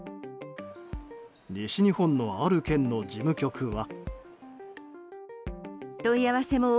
西日本のある県の事務局は。